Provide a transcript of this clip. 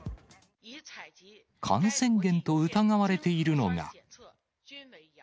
感染源と疑われているのが。